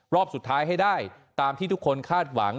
รอบสุดท้ายให้ได้ตามที่ทุกคนคาดหวัง